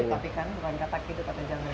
bukan hidup tapi kan bukan katak hidup atau jangkrik